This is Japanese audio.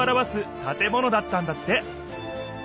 建物だったんだって。